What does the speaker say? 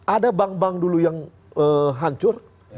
ada bank bank dulu yang hancur